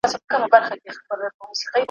نن که یې ماشومه سبا پېغله ښایسته یې ,